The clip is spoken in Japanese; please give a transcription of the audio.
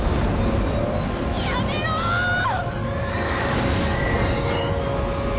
やめろーっ！